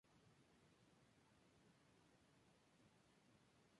El siguiente diagrama muestra a las localidades en un radio de de Columbus.